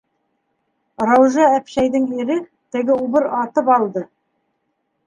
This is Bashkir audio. Раужа-әпшәйҙең ире, теге убыр атып алды!